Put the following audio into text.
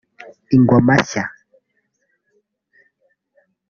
Ingoma Nshya